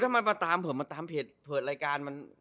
ถ้ามาตามผมมาตามเพลสเปิดรายการ